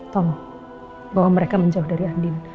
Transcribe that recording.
tolong bawa mereka menjauh dari andin